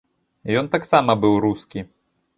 Ён таксама быў рускі.